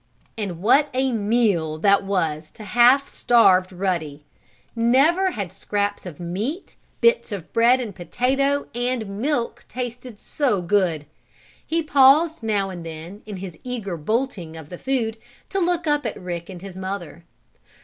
And what a meal that was to half starved Ruddy! Never had scraps of meat, bits of bread and potato and milk tasted so good! He paused now and then, in his eager bolting of the food, to look up at Rick and his mother.